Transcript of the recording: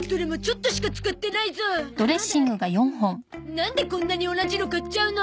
なんでこんなに同じの買っちゃうの？